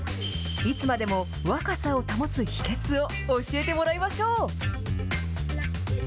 いつまでも若さを保つ秘けつを教えてもらいましょう。